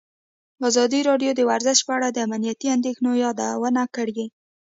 ازادي راډیو د ورزش په اړه د امنیتي اندېښنو یادونه کړې.